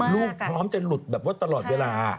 ลูกพร้อมจะหลุดแบบว่าตลอดเวลา